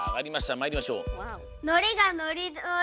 まいりましょう！